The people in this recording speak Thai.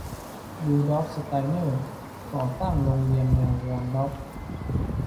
รูดอล์ฟ สไตนเนอร์ ก่อตั้งโรงเรียนแนววอลดอร์ฟ